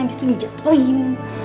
abis itu dijatuhin